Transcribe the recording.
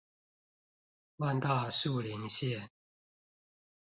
萬大樹林線